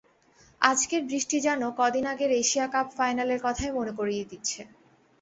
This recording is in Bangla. আজকের বৃষ্টি যেন কদিন আগের এশিয়া কাপ ফাইনালের কথাই মনে করিয়ে দিচ্ছে।